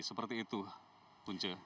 seperti itu punca